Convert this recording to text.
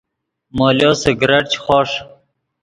مولو سگریٹ چے خوݰ